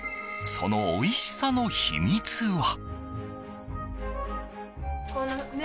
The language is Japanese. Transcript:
そのおいしさの秘密は。